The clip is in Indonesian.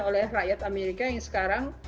oleh rakyat amerika yang sekarang